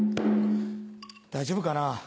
大丈夫かなぁ？